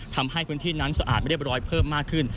ทำให้พื้นที่นั้นสะอาดไม่เรียบร้อยเพิ่มมากขึ้น